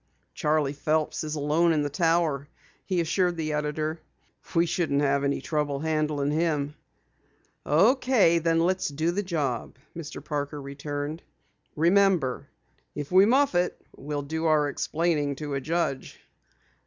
"Charley Phelps is alone in the Tower," he assured the editor. "We shouldn't have any trouble handling him." "Okay, then let's do the job," Mr. Parker returned. "Remember, if we muff it, we'll do our explaining to a judge."